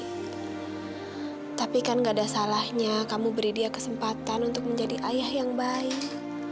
hai tapi kan nggak ada salahnya kamu beri dia kesempatan untuk menjadi ayah yang baik